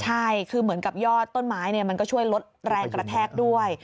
ใช่คือเหมือนกับยอดต้นไม้มันก็ช่วยลดแรงกระแทกด้วย